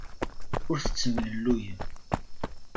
Ur tettemlelluyem.